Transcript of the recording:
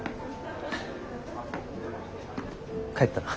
帰ったな。